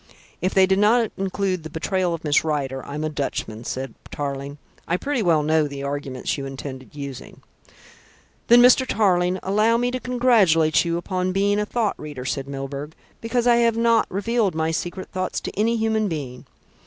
"If they did not include the betrayal of Miss Rider, I'm a Dutchman," said Tarling. "I pretty well know the arguments you intended using." "Then, Mr. Tarling, allow me to congratulate you upon being a thought reader," said Milburgh, "because I have not revealed my secret thoughts to any human being.